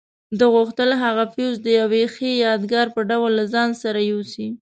ده غوښتل هغه فیوز د یوې ښې یادګار په ډول له ځان سره یوسي.